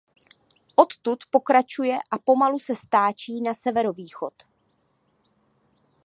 Odtud pokračuje a pomalu se stáčí na severovýchod.